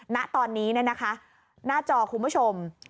ณตอนนี้หน้าจอคุณผู้ชม